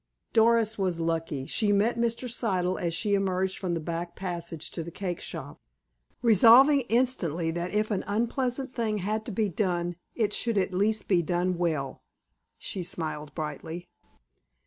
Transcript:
Doris was lucky. She met Mr. Siddle as she emerged from the back passage to the cake shop. Resolving instantly that if an unpleasant thing had to be done it should at least be done well, she smiled brightly.